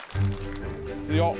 ・強っ